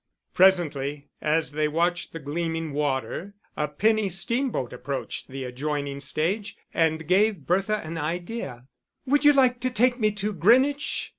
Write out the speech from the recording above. Presently, as they watched the gleaming water, a penny steamboat approached the adjoining stage, and gave Bertha an idea. "Would you like to take me to Greenwich?"